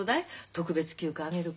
特別休暇あげるから。